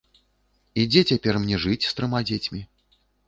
І дзе цяпер мне жыць з трыма дзецьмі?